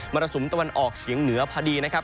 รสุมตะวันออกเฉียงเหนือพอดีนะครับ